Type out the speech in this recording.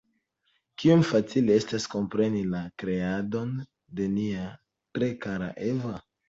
Kiom facile estas kompreni la kreadon de nia tre kara Eva!